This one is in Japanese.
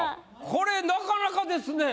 これなかなかですね。